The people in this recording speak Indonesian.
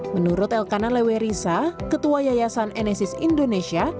menurut elkanan lewerisa ketua yayasan enesis indonesia